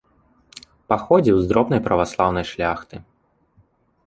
Паходзіў з дробнай праваслаўнай шляхты.